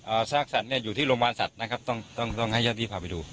ซากสัตว์เนี้ยอยู่ที่โรงพยาบาลสัตว์นะครับต้องต้องต้องให้เจ้าที่พาไปดู